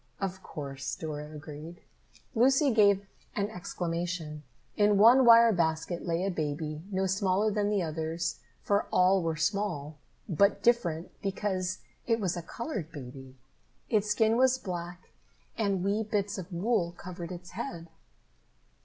"Of course," Dora agreed. Lucy gave an exclamation. In one wire basket lay a baby, no smaller than the others, for all were small, but different, because it was a colored baby. Its skin was black and wee bits of wool covered its head.